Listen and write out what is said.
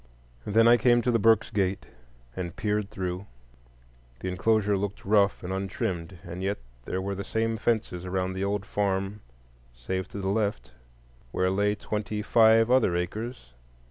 Then I came to the Burkes' gate and peered through; the enclosure looked rough and untrimmed, and yet there were the same fences around the old farm save to the left, where lay twenty five other acres.